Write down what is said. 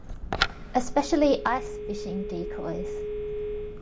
Especially ice fishing decoys.